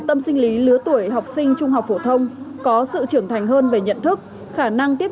tâm sinh lý lứa tuổi học sinh trung học phổ thông có sự trưởng thành hơn về nhận thức khả năng tiếp